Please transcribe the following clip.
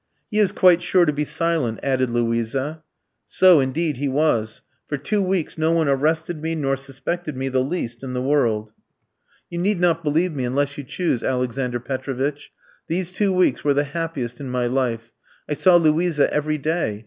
"'He is quite sure to be silent,' added Luisa. "So, indeed, he was. For two weeks no one arrested me nor suspected me the least in the world. "You need not believe me unless you choose, Alexander Petrovitch. "These two weeks were the happiest in my life. I saw Luisa every day.